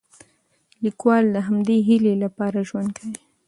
لیکوال د همدې هیلې لپاره ژوند کوي.